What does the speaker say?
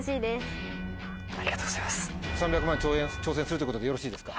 ３００万挑戦するってことでよろしいですか？